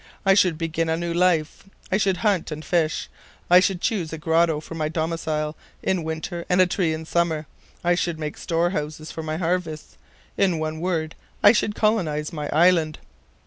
I should begin a new life; I should hunt and fish; I should choose a grotto for my domicile in Winter and a tree in Summer. I should make storehouses for my harvests: in one word, I should colonize my island."